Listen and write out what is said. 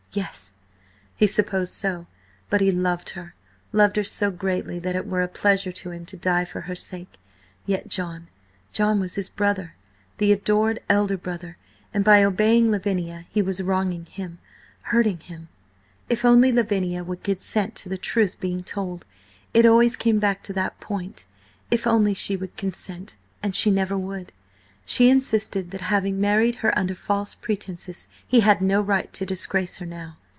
Yes, he supposed so, but he loved her!–loved her so greatly that it were a pleasure to him to die for her sake. Yet John–John was his brother–the adored elder brother, and by obeying Lavinia he was wronging him, hurting him. If only Lavinia would consent to the truth being told! It always came back to that point: if only she would consent. And she never would. She insisted that, having married her under false pretences, he had no right to disgrace her now.